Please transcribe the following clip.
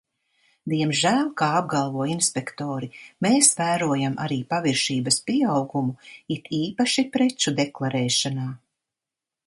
Diemžēl, kā apgalvo inspektori, mēs vērojam arī paviršības pieaugumu it īpaši preču deklarēšanā.